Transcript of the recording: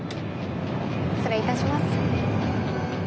失礼いたします。